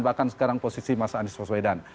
bahkan sekarang posisi mas anies waswedan